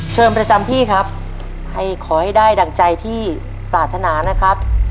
ประจำที่ครับให้ขอให้ได้ดั่งใจที่ปรารถนานะครับ